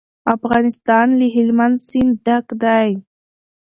افغانستان له هلمند سیند ډک دی.